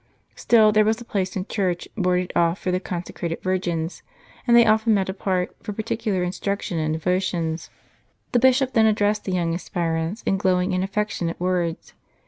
Still there was a place in church, boarded off for the consecrated virgins ; and they often met apart, for particular instruction and devotions. The bishop then addressed the young aspirants, in glowing and affectionate words.